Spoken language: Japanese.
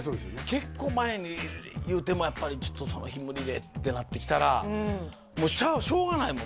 結構前に言うてもやっぱりちょっとその日無理でってなってきたらもうしょうがないもん